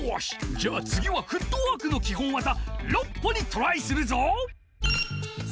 じゃあつぎはフットワークのきほんわざ「６歩」にトライするぞ！